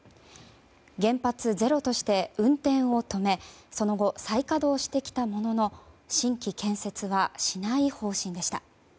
原発ゼロとして運転を止めその後、再稼働してきたものの新規建設はしない方針でした。